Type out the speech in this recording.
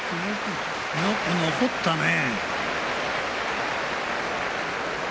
よく残ったね。